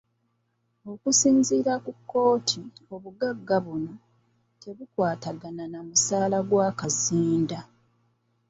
Okusinziira ku kkooti, obugagga buno tebukwatagana na musaala gwa Kazinda.